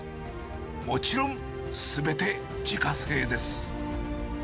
もちろん、すべて自家製です。